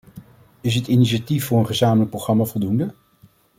Is het initiatief voor een gezamenlijk programma voldoende?